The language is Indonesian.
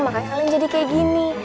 makanya kalian jadi kayak gini